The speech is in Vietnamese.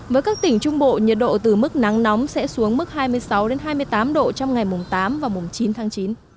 với các tỉnh trung bộ nhiệt độ từ mức nắng nóng sẽ xuống mức hai mươi sáu hai mươi tám độ trong ngày mùng tám và mùng chín tháng chín